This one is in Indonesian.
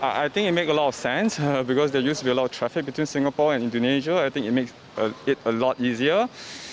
kami membiarkan trafik antara singapura dan indonesia saya pikir itu membuatnya lebih mudah